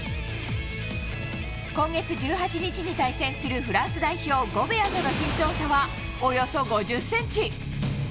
今月１８日に対戦するフランス代表ゴベアとの身長差はおよそ５０ｃｍ。